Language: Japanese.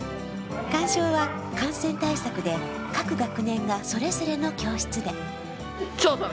鑑賞は感染対策で各学年がそれぞれの教室で。